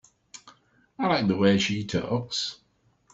I like the way she talks.